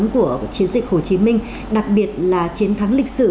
các bạn có thể nhớ là cuộc chiến dịch hồ chí minh đặc biệt là chiến thắng lịch sử